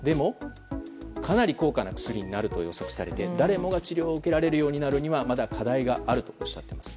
かなり高価な薬になると予想されて、誰もが治療を受けられるようになるにはまだ課題があるとおっしゃっています。